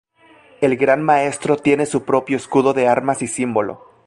El Gran Maestro tiene su propio escudo de armas y símbolo.